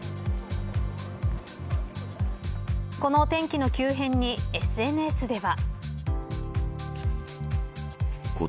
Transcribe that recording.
この天気の急変にＳＮＳでは。